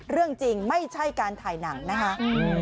เรื่องจริงไม่ใช่การถ่ายหนังนะคะ